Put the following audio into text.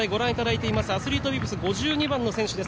アスリートビブス５２番の選手です。